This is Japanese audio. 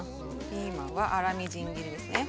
ピーマンは粗みじん切りですね。